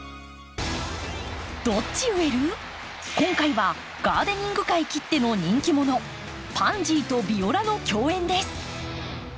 今回はガーデニング界きっての人気者パンジーとビオラの競演です。